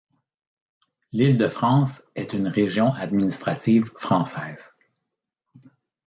L'Île-de-France est une région administrative française.